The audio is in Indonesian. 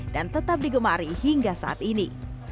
dan tetap digemari hingga saat ini